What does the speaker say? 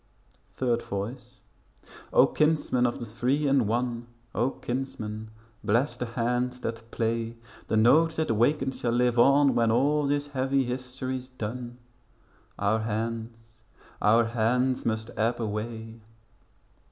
Third Voice O, kinsmen of the Three in One, O, kinsmen bless the hands that play. The notes they waken shall live on When all this heavy history's done. Our hands, our hands must ebb away.